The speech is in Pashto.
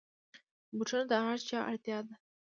بوټونه د هرچا اړتیا ده.